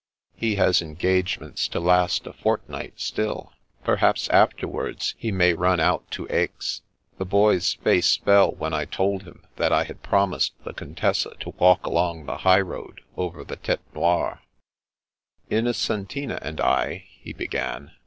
"He has engagements to last a fortnight still. Perhaps afterwards he may run out to Aix." The Boy's face fell when I told him that I had promised the Contessa to walk along the highroad, over the Tete Noire. "Innocentina and I '' he began.